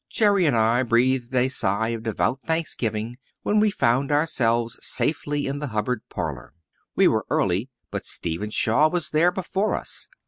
Jerry and I breathed a sigh of devout thanksgiving when we found ourselves safely in the Hubbard parlour. We were early, but Stephen Shaw was there before us.